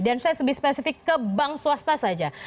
dan saya lebih spesifik ke bank swasta saja